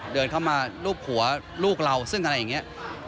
เดินเข้ามารูปหัวลูกเราซึ่งอะไรอย่างนี้